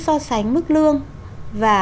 so sánh mức lương và